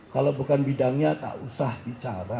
kalau bukan bidangnya tak usah bicara